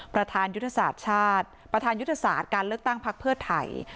พระทางภาคประธานยุทศาสตร์การเลือกตั้งพรักเผื่อไทย